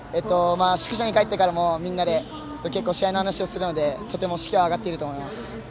宿舎に帰ってからもみんなで試合の話を結構するのでとても士気は上がっていると思います。